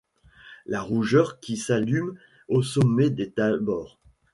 La rougeur qui s’allume au sommet des Thabors ;